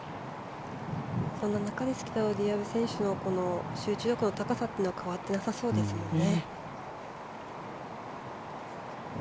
そんな中ですけどリリア・ブ選手の集中力の高さというのは変わってなさそうですもんね。